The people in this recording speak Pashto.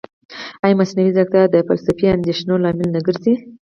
ایا مصنوعي ځیرکتیا د فلسفي اندېښنو لامل نه ګرځي؟